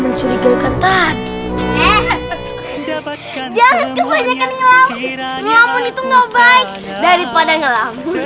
mencurigakan tadi eh dapatkan jangan kebanyakan ngelamun ngelamun itu nggak baik daripada ngelamun